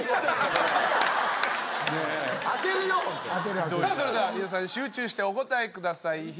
さあそれでは皆さん集中してお答えください。